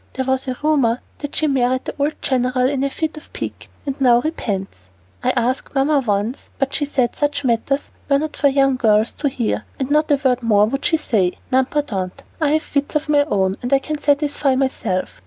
There was a rumor that she married the old general in a fit of pique, and now repents. I asked Mamma once, but she said such matters were not for young girls to hear, and not a word more would she say. N'importe, I have wits of my own, and I can satisfy myself.